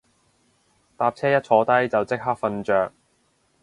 搭車一坐低就即刻瞓着